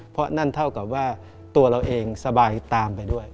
เพราะนั่นเท่ากับว่าตัวเราเองสบายตามไปด้วย